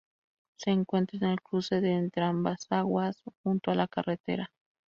Se encuentra en el cruce de Entrambasaguas, junto a la carretera.